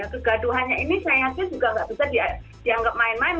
kegaduhannya ini saya yakin juga nggak bisa dianggap main main